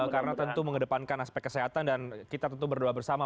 karena tentu mengedepankan aspek kesehatan dan kita tentu berdua bersama